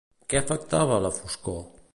Què afectava, la foscor?